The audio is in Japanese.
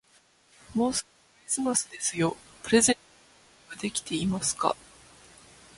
もうすぐクリスマスですよ。プレゼントの準備はできていますか。